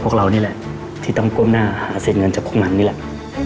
พวกเรานี่แหละที่ต้องก้มหน้าหาเศษเงินจากพวกมันนี่แหละ